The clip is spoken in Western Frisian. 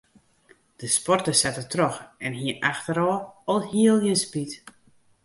De sporter sette troch en hie efterôf alhiel gjin spyt.